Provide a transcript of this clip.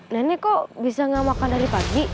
nenek kok bisa nggak makan dari pagi